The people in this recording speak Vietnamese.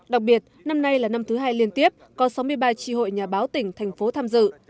đặc biệt năm nay là năm thứ hai liên tiếp có sáu mươi ba tri hội nhà báo tỉnh thành phố tham dự